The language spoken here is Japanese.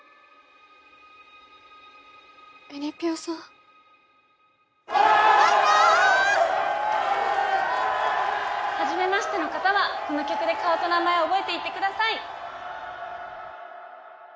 えりぴよさん舞菜ー！はじめましての方はこの曲で顔と名前を覚えていってください